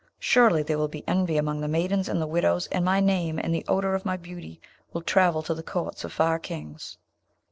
Surely there will be envy among the maidens and the widows, and my name and the odour of my beauty will travel to the courts of far kings.'